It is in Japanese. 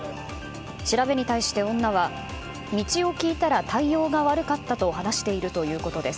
調べに対して、女は道を聞いたら対応が悪かったと話しているということです。